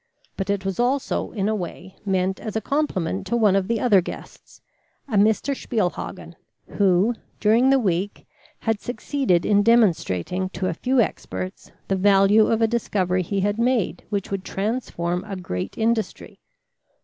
But it was also in a way meant as a compliment to one of the other guests, a Mr. Spielhagen, who, during the week, had succeeded in demonstrating to a few experts the value of a discovery he had made which would transform a great industry.